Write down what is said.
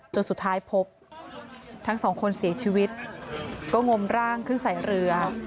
จนสุดท้ายพบทั้งสองคนเสียชีวิตก็งมร่างขึ้นใส่เรือ